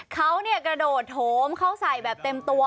เขากระโดดโถมเข้าใส่แบบเต็มตัว